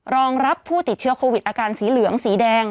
รองรับผู้ติดเชื้อโควิดอาการสีเหลืองสีแดง